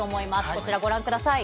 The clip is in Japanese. こちらご覧ください。